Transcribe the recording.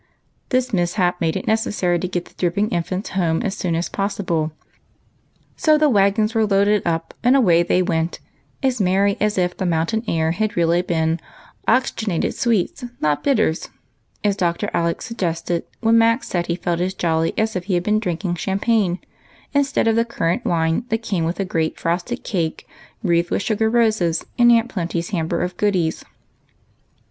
This mishap made it necessary to get the dripping infants home as soon as possible ; so the wagons were loaded up, and away they went, as merry as if the mountain air had really been " Oxygenated Sweets not Bitters," as Dr. Alec suggested when Mac said he felt as jolly as if he had been drinking champagne instead of the currant wine that came with a great frosted cake wreathed with sugar roses in Aunt Plenty's hamper of goodies.